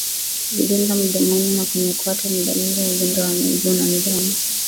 Vidonda mdomoni na kwenye kwato ni dalili ya ugonjwa wa miguu na midomo